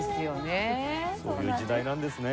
そういう時代なんですね。